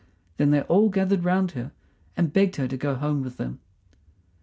Then they all gathered round her, and begged her to go home with them.